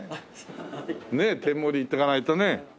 ねえ天盛りいっとかないとね。